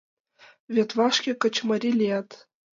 Вет вашке качымарий лият!..